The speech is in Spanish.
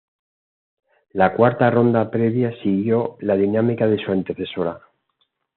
La cuarta ronda previa siguió la dinámica de su antecesora.